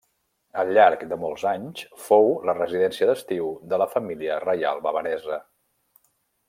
Al llarg de molts anys fou la residència d'estiu de la família reial bavaresa.